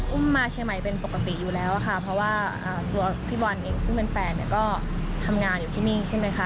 มาเชียงใหม่เป็นปกติอยู่แล้วค่ะเพราะว่าตัวพี่บอลเองซึ่งเป็นแฟนเนี่ยก็ทำงานอยู่ที่นี่ใช่ไหมคะ